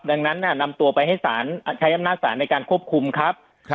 ดังนั้นนำตัวไปให้สารใช้อำนาจศาลในการควบคุมครับ